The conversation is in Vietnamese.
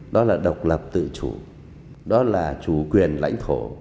đó là độc lập tự chủ đó là chủ quyền lãnh thổ